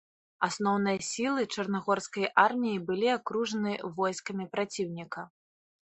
Асноўныя сілы чарнагорскай арміі былі акружаны войскамі праціўніка.